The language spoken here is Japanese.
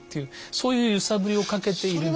そういう揺さぶりをかけているんですね。